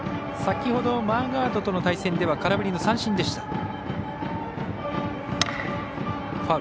先ほどのマーガードの対戦では空振りの三振でした。